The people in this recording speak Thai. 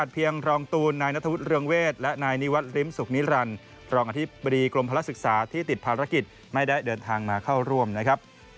พลักศึกษาที่ติดภารกิจไม่ได้เดินทางมาเข้าร่วมนะครับ